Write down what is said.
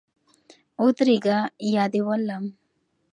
ودرېږه یا دي ولم